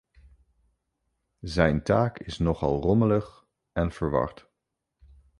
Zijn taak is nogal rommelig en verward.